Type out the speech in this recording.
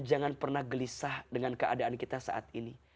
jangan pernah gelisah dengan keadaan kita saat ini